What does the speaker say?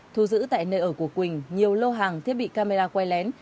thu giữ tại nơi ở của quỳnh nhiều lô hàng thiết bị camera quay lén